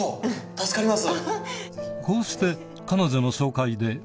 助かります。